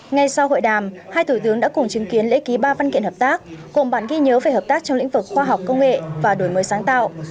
ngay sau hội đàm hai thủ tướng đã cùng chứng kiến lễ ký ba văn kiện hợp tác cùng bản ghi nhớ về hợp tác trong lĩnh vực khoa học công nghệ và đổi mới sáng tạo